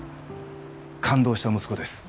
勘当した息子です。